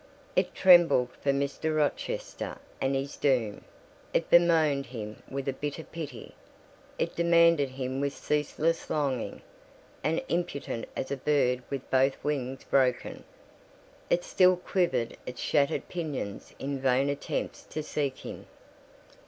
It trembled for Mr. Rochester and his doom; it bemoaned him with bitter pity; it demanded him with ceaseless longing; and, impotent as a bird with both wings broken, it still quivered its shattered pinions in vain attempts to seek him.